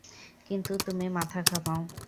কিন্তু তুমি মাথা ঘামাও।